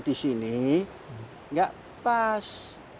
di sini enggak pas